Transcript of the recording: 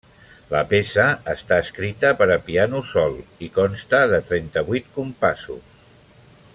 La peça està escrita per a piano sol, i consta de trenta-vuit compassos.